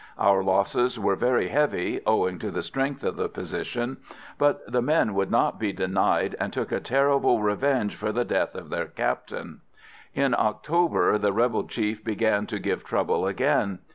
Our losses were very heavy, owing to the strength of the position, but the men would not be denied, and took a terrible revenge for the death of their Captain. In October the rebel chief began to give trouble again.